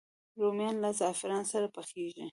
رومیان له زعفران سره پخېږي